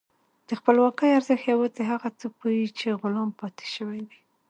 د خپلواکۍ ارزښت یوازې هغه څوک پوهېږي چې غلام پاتې شوي وي.